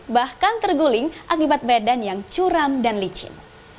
bahkan terguling akibat badan yang curam dan licin